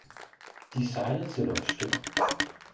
De sejlede til Løgstør